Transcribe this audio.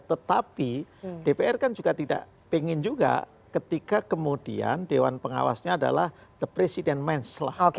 tetapi dpr kan juga tidak ingin juga ketika kemudian dewan pengawasnya adalah the president ⁇ ns lah